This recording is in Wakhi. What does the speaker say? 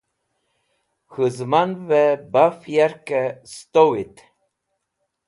K̃hũ zẽmanvẽ baf yarkẽ sẽtowit.